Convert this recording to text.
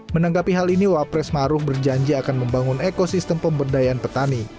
menanggapi hal ini wak pres maruf berjanji akan membangun ekosistem pemberdayaan